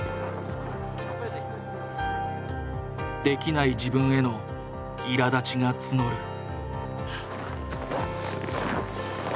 できない自分へのいらだちが募る。